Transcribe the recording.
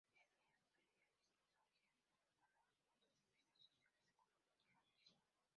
El Neo-Imperialismo dio origen a nuevos puntos de vista sociales del colonialismo.